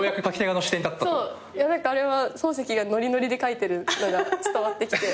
何かあれは漱石がノリノリで書いてるのが伝わってきて。